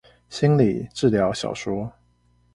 心理治療小說